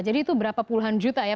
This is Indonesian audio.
jadi itu berapa puluhan juta ya